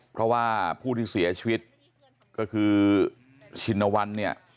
เพราะว่าผู้ที่เสียชีวิตก็คือชินวันเนี่ย